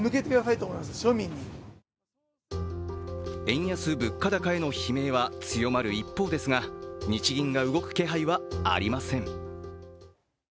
円安・物価高への悲鳴は強まる一方ですが日銀が動く気配はありません。